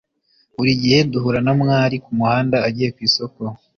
Burigihe duhura na mwali kumuhanda agiye kwisoko